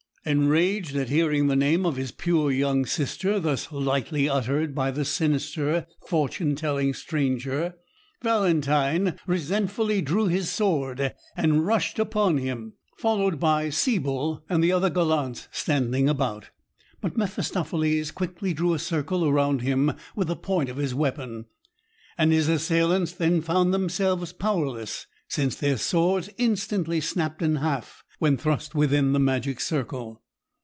Enraged at hearing the name of his pure young sister thus lightly uttered by the sinister, fortune telling stranger, Valentine resentfully drew his sword and rushed upon him, followed by Siebel and the other gallants standing about; but Mephistopheles quickly drew a circle around him with the point of his weapon, and his assailants then found themselves powerless, since their swords instantly snapped in half when thrust within the magic circle.